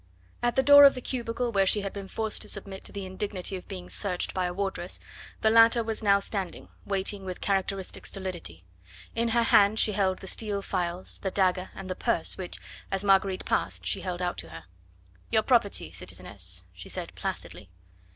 At the door of the cubicle where she had been forced to submit to the indignity of being searched by a wardress, the latter was now standing, waiting with characteristic stolidity. In her hand she held the steel files, the dagger and the purse which, as Marguerite passed, she held out to her. "Your property, citizeness," she said placidly.